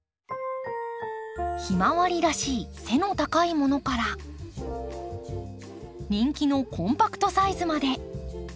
ヒマワリらしい背の高いものから人気のコンパクトサイズまで。